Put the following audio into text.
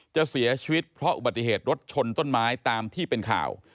จะเสียชีวิตเพราะอุบัติเหตุรถชนต้นไม้ตามที่เป็นข่าว